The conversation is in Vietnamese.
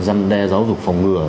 giam đe giáo dục phòng ngừa